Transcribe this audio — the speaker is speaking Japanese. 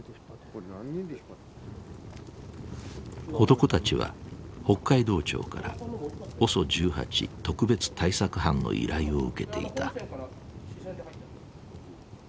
男たちは北海道庁からＯＳＯ１８特別対策班の依頼を受けていた。